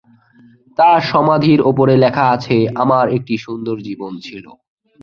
তার সমাধির উপরে লেখা আছে: "আমার একটি সুন্দর জীবন ছিল"।